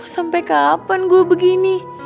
sampai kapan gue begini